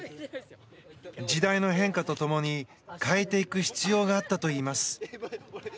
時代の変化と共に変えていく必要があったといいます。